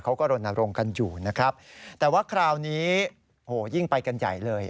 เขาก็โรนโรงกันอยู่นะครับแต่ว่าคราวนี้โหยิ่งไปกันใหญ่เลย